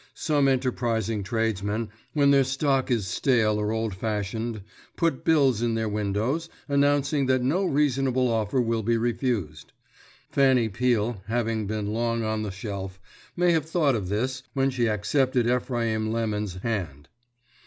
Some enterprising tradesmen, when their stock is stale or old fashioned, put bills in their windows announcing that no reasonable offer will be refused. Fanny Peel, having been long on the shelf, may have thought of this when she accepted Ephraim Lemon's hand.